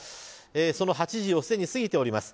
その８時をすでに過ぎております。